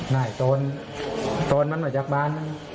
ไม่โตนตอนมันมาจับบ้าน